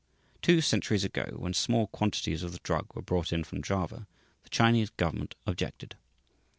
Two centuries ago when small quantities of the drug were brought in from Java, the Chinese government objected.